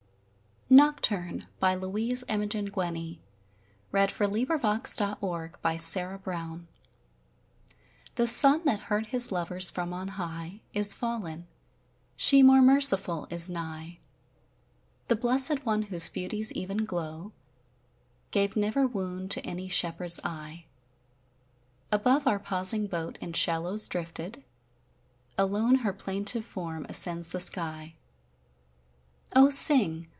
ting evermore and now: "Keep young!" but who knows how?) Nocturne THE sun that hurt his lovers from on high Is fallen; she more merciful is nigh, The blessèd one whose beauty's even glow Gave never wound to any shepherd's eye. Above our pausing boat in shallows drifted, Alone her plaintive form ascends the sky. O sing!